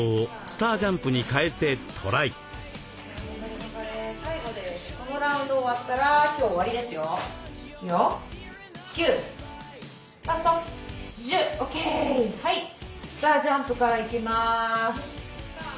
スター・ジャンプからいきます。